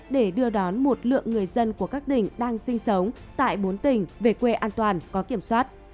để đưa đón một lượng người dân của các tỉnh đang sinh sống tại bốn tỉnh về quê an toàn có kiểm soát